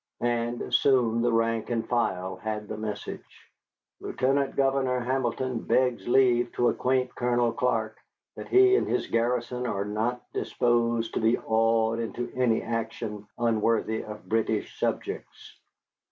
And soon the rank and file had the message. "Lieutenant Governor Hamilton begs leave to acquaint Colonel Clark that he and his garrison are not disposed to be awed into any action unworthy of British subjects."